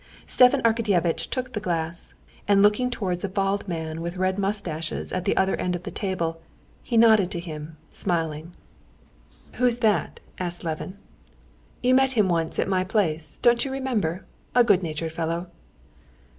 Stepan Arkadyevitch took the glass, and looking towards a bald man with red mustaches at the other end of the table, he nodded to him, smiling. "Who's that?" asked Levin. "You met him once at my place, don't you remember? A good natured fellow."